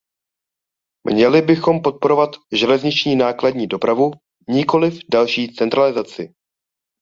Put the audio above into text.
Měli bychom podporovat železniční nákladní dopravu, nikoliv další centralizaci.